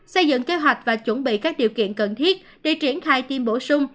xây dựng kế hoạch và chuẩn bị các điều kiện cần thiết để triển khai tiêm bổ sung